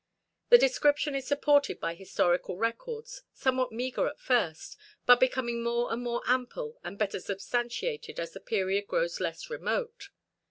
The description is supported by historical records, somewhat meagre at first, but becoming more and more ample and better substantiated as the period grows less remote.